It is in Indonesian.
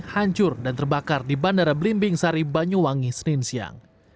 hancur dan terbakar di bandara belimbing sari banyuwangi senin siang